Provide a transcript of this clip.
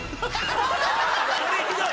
これひどい！